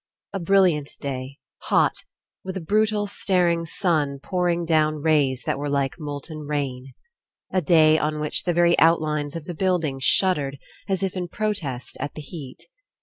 A brilliant day, hot, with a brutal staring sun pouring down rays that were like molten rain. A day on which the very outlines of the buildings shuddered as if In protest at the heat.